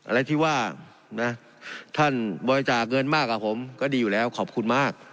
อะไรที่ว่านะท่านบริจาคเงินมากกว่าผมก็ดีอยู่แล้วขอบคุณมาก